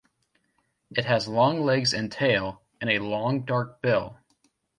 It has long legs and tail, and a long dark bill.